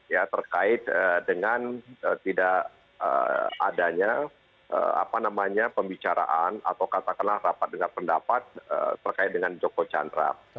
ya terkait dengan tidak adanya pembicaraan atau katakanlah rapat dengan pendapat terkait dengan joko chandra